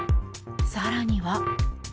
更には。